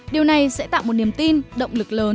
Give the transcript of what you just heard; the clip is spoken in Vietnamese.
điều này sẽ tạo một niềm tin động lực lớn